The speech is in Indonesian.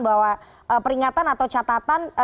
bahwa peringatan atau catatan